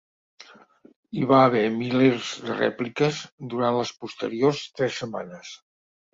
Hi va haver milers de rèpliques durant les posteriors tres setmanes.